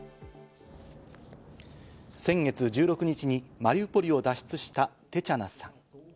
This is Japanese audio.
先月１６日にマリウポリを脱出したテチャナさん。